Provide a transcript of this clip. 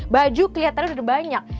baju kelihatan udah banyak